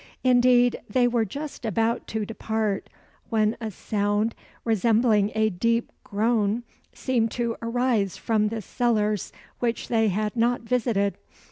Indeed, they were just about to depart, when a sound resembling a deep groan seemed to arise from the cellars which they had not visited.